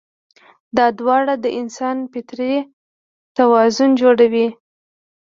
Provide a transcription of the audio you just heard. دا دواړه د انسان فطري توازن جوړوي.